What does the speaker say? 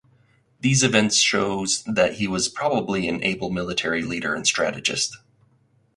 These events shows that he was probably an able military leader and strategist.